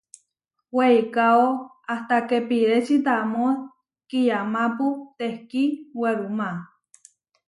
Weikáo ahtaké pireči tamó kiyamápu tehkí werumá.